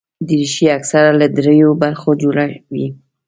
دریشي اکثره له درېو برخو جوړه وي.